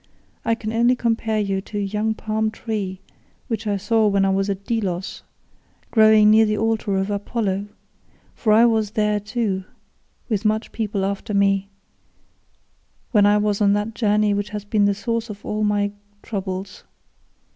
I can only compare you to a young palm tree which I saw when I was at Delos growing near the altar of Apollo—for I was there, too, with much people after me, when I was on that journey which has been the source of all my troubles.